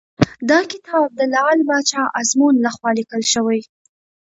دا کتاب د لعل پاچا ازمون لخوا لیکل شوی .